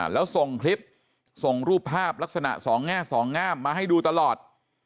แล้วส่งคลิปส่งรูปภาพลักษณะสองแง่สองงามมาให้ดูตลอด